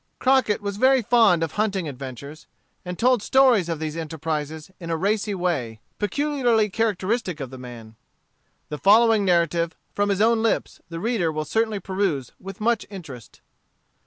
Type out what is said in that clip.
Crockett was very fond of hunting adventures, and told stories of these enterprises in a racy way, peculiarly characteristic of the man. The following narrative from his own lips, the reader will certainly peruse with much interest.